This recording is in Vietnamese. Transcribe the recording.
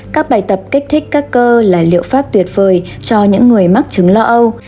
các bài tập kích thích các cơ là liệu pháp tuyệt vời cho những người mắc chứng lo âu